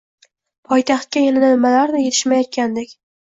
Poytaxtga yana nimalardir yetishmayotgandek